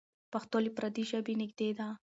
پښتو له پردۍ ژبې نږدې ده.